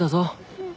うん。